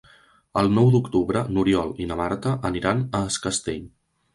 El nou d'octubre n'Oriol i na Marta aniran a Es Castell.